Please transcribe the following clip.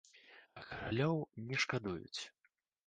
А каралёў не шкадуюць.